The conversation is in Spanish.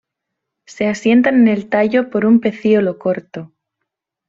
Se asientan en el tallo por un pecíolo corto.